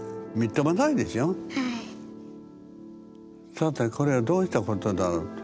さてこれはどうしたことだろう。